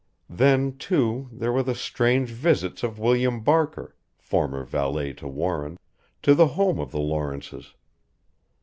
Then, too, there were the strange visits of William Barker, former valet to Warren, to the home of the Lawrences.